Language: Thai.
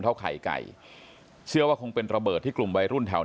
ไข่ไก่เชื่อว่าคงเป็นระเบิดที่กลุ่มวัยรุ่นแถว